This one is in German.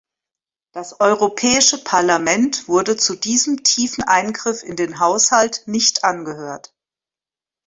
Das Europäische Parlament wurde zu diesem tiefen Eingriff in den Haushalt nicht angehört.